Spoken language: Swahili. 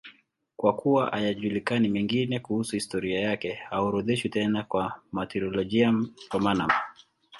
Kwa kuwa hayajulikani mengine kuhusu historia yake, haorodheshwi tena na Martyrologium Romanum.